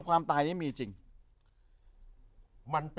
สวัสดีครับ